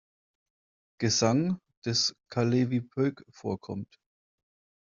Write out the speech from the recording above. Gesang des Kalevipoeg vorkommt.